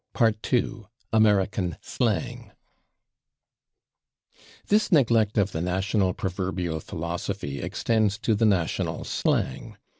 [Pg304] § 2 /American Slang/ This neglect of the national proverbial philosophy extends to the national slang.